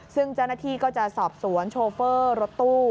ซึ่งเจ้าหน้าที่ก็จะสอบสวนโชเฟอร์รถตู้